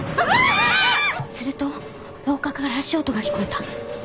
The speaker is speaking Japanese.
すると廊下から足音が聞こえた。